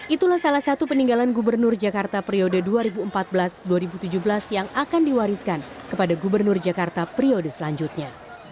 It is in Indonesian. itulah salah satu peninggalan gubernur jakarta periode dua ribu empat belas dua ribu tujuh belas yang akan diwariskan kepada gubernur jakarta periode selanjutnya